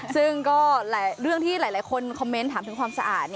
ซึ่งก็หลายเรื่องที่หลายคนคอมเมนต์ถามถึงความสะอาด